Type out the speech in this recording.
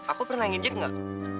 aku pernah nginjek enggak